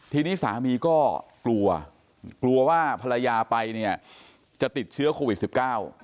ทีนี้สามีก็กลัวกลัวว่าภรรยาไปเนี่ยจะติดเชื้อโควิดสิบเก้า